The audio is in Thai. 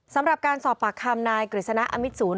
สำหรับการสอบปากคำนายกฤษณะอมิตศูนย์